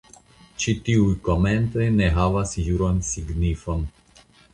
Ĉi tiuj komentoj ne havas juran signifon.